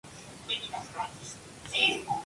Actualmente sigue vigente en teatro y televisión.